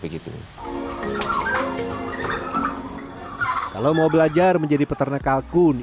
kalau mau belajar menjadi peternak kalkun